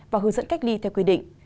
và hướng dẫn cách ly theo quy định